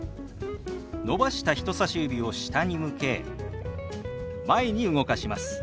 伸ばした人さし指を下に向け前に動かします。